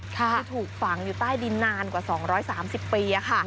ที่ถูกฝังอยู่ใต้ดินนานกว่า๒๓๐ปีค่ะ